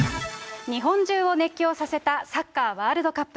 日本中を熱狂させたサッカーワールドカップ。